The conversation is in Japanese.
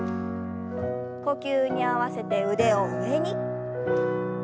呼吸に合わせて腕を上に。